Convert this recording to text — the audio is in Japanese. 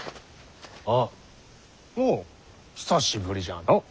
おう久しぶりじゃのう。